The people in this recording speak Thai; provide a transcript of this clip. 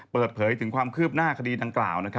เปิดเผยถึงความคืบหน้าคดีดังกล่าว